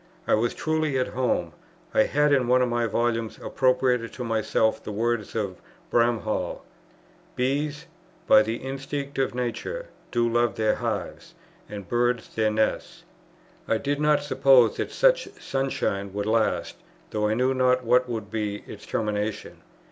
I was truly at home. I had in one of my volumes appropriated to myself the words of Bramhall, "Bees, by the instinct of nature, do love their hives, and birds their nests." I did not suppose that such sunshine would last, though I knew not what would be its termination.